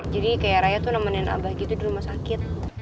jadi kayak raya tuh nemenin abah gitu di rumah sakit